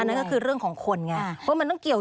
นั่นก็คือเรื่องของคนไงเพราะมันต้องเกี่ยว